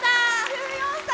１４歳！